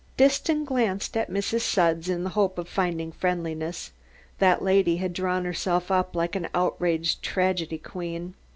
Disston glanced at Mrs. Sudds in the hope of finding friendliness. That lady had drawn herself up like an outraged tragedy queen.